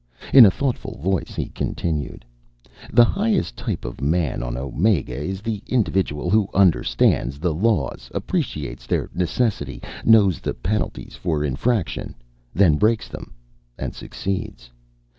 In a thoughtful voice he continued, "The highest type of man on Omega is the individual who understands the laws, appreciates their necessity, knows the penalties for infraction, then breaks them and succeeds!